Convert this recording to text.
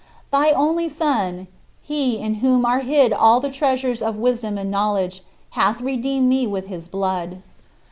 Thy only Son he "in whom are hid all the treasures of wisdom and knowledge" hath redeemed me with his blood.